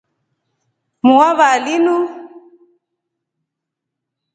Muu wa vaa linu.